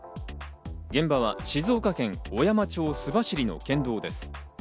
現場は静岡県小山町須走の県道です。